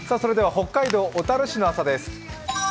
北海道小樽市の朝です。